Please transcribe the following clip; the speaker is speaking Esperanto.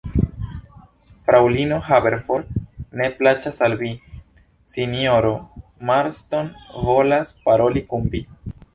Fraŭlino Haverford, se plaĉas al vi, sinjoro Marston volas paroli kun vi.